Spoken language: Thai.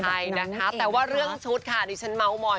ใช่นะคะแต่ว่าเรื่องชุดค่ะดิฉันเมาส์มอย